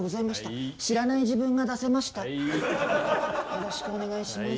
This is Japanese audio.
よろしくお願いします。